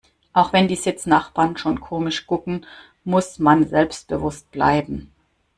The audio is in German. Auch wenn die Sitznachbarn schon komisch gucken, muss man selbstbewusst bleiben.